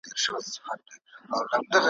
نه به څوک وي چي په موږ پسي ځان خوار کي ,